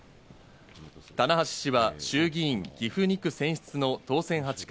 棚橋氏は衆議院・岐阜２区選出の当選８回。